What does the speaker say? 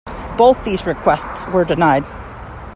Both these requests were denied.